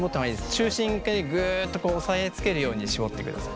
中心でぐっと押さえつけるように絞ってください。